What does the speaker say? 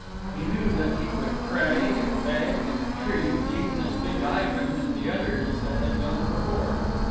He knew that he would pray, and beg, and entreat, even as Big Ivan and the others that had gone before.